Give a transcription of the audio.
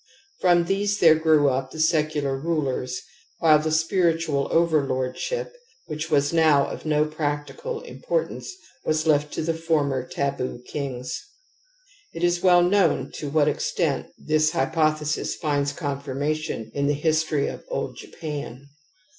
From these there grew up the secular rulers, while the spiritual over lordship, which was now of no practical importance, was left to the former taboo kings. It is well known to what extent this hypothesis finds confirmation in the history of old Japan.